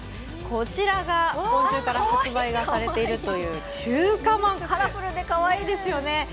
こちらが今週から発売されているという中華まん、カラフルでかわいいですね。